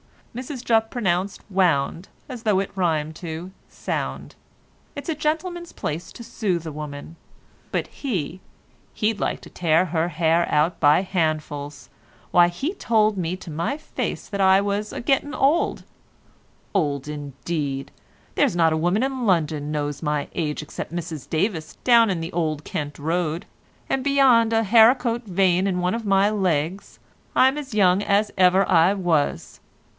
(Mrs Jupp pronounced "wound" as though it rhymed to "sound.") "It's a gentleman's place to soothe a woman, but he, he'd like to tear her hair out by handfuls. Why, he told me to my face that I was a getting old; old indeed! there's not a woman in London knows my age except Mrs Davis down in the Old Kent Road, and beyond a haricot vein in one of my legs I'm as young as ever I was.